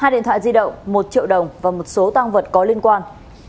hai điện thoại di động một triệu đồng và một số tăng vật có liên quan